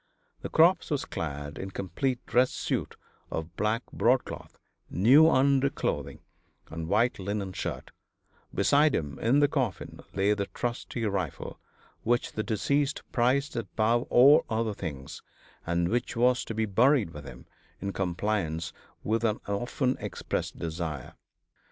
The corpse was clad in complete dress suit of black broadcloth, new underclothing and white linen shirt; beside him in the coffin lay his trusty rifle, which the deceased prized above all other things, and which was to be buried with him in compliance with an often expressed desire.